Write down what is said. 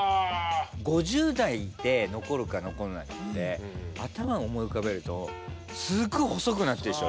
５０代で残るか残らないかって頭思い浮かべるとすごい細くなってるでしょ？